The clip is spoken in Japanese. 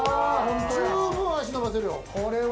十分、足伸ばせるよ。